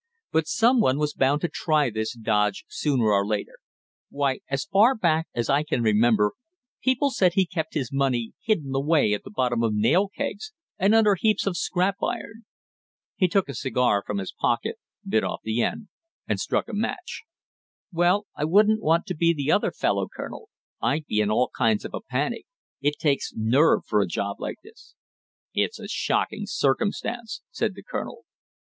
"But some one was bound to try this dodge sooner or later. Why, as far back as I can remember, people said he kept his money hidden away at the bottom of nail kegs and under heaps of scrap iron." He took a cigar from his pocket, bit off the end, and struck a match. "Well, I wouldn't want to be the other fellow, Colonel; I'd be in all kinds of a panic; it takes nerve for a job like this." "It's a shocking circumstance," said the colonel.